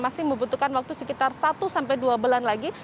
masih membutuhkan waktu sekitar satu sampai dua bulan lagi